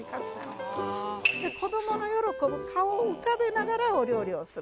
子どもの喜ぶ顔を浮かべながらお料理をする。